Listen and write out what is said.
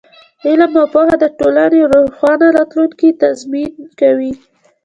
علم او پوهه د ټولنې د روښانه راتلونکي تضمین کوي.